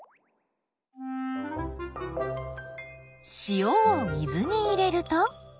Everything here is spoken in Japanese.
塩を水に入れると？